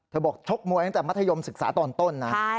บอกชกมวยตั้งแต่มัธยมศึกษาตอนต้นนะ